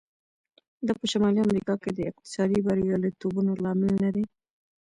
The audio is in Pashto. دا په شمالي امریکا کې د اقتصادي بریالیتوبونو لامل نه دی.